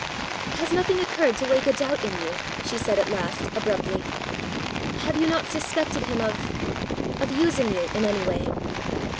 "Has nothing occurred to wake a doubt in you?" she said at last, abruptly. "Have you not suspected him of of using you in any way?"